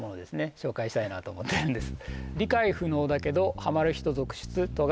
紹介したいなと思ってるんです